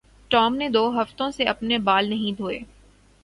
Tom نے دو ہفتوں سے اپنے بال نہیں دھوئے